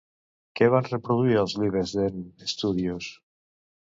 Què van reproduir als Leavesden Studios?